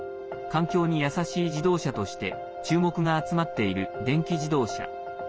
環境に優しい自動車として注目が集まっている電気自動車。